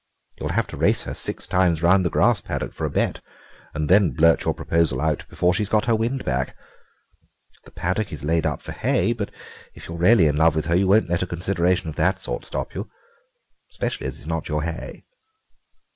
You'll have to race her six times round the grass paddock for a bet, and then blurt your proposal out before she's got her wind back. The paddock is laid up for hay, but if you're really in love with her you won't let a consideration of that sort stop you, especially as it's not your hay."